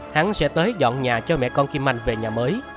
hắn sẽ tới dọn nhà cho mẹ con kim anh về nhà mới